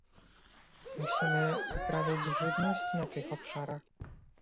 Musimy uprawiać żywność na tych obszarach